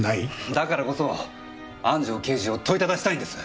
だからこそ安城刑事を問いただしたいんです！